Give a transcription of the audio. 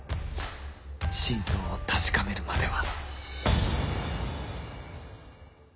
真相を確かめるまでは